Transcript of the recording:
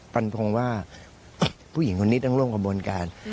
ปัญพงษ์ว่าผู้หญิงคนนี้ต้องร่วมกับบนการ